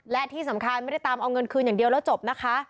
และที่สำคัญไม่ได้ตามเอาเงินคืนอย่างเดียวแล้วจบนะคะ